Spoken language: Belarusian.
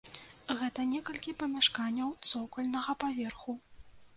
Гэта некалькі памяшканняў цокальнага паверху.